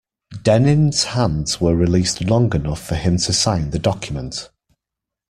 Dennin's hands were released long enough for him to sign the document.